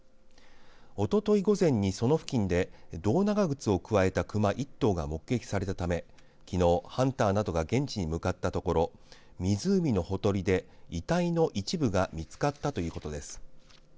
おととい午前にその付近で胴長靴を加えた熊１頭が目撃されたためきのうハンターなどが現地に向かったところ湖のほとりで遺体の一部が見つかったということです。